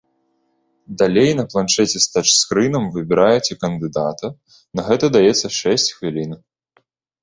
Далей на планшэце з тач-скрынам выбіраеце кандыдата, на гэта даецца шэсць хвілін.